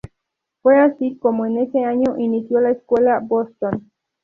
Fue así como en ese año inició la Escuela Boston.